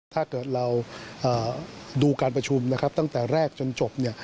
ถ้าเกิดเราดูการประชุมนะครับตั้งแต่แรกจนจบ